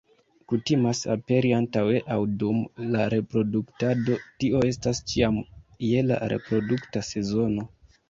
Kutimas aperi antaŭe aŭ dum la reproduktado, tio estas ĉiam je la reprodukta sezono.